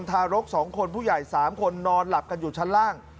ทารก๒คนผู้ใหญ่๓คนนอนหลับกันอยู่ชั้นล่าง